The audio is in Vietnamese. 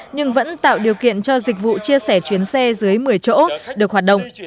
nhưng vẫn tạo điều kiện cho dịch vụ chia sẻ chuyến xe dưới một mươi chỗ được hoạt động